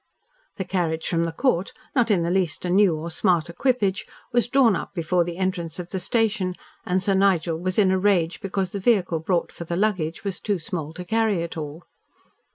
The carriage from the Court not in the least a new or smart equipage was drawn up before the entrance of the station and Sir Nigel was in a rage because the vehicle brought for the luggage was too small to carry it all.